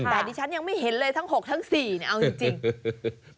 แต่ดิฉันยังไม่เห็นเลยทั้ง๖ทั้ง๔เนี่ยเอาจริง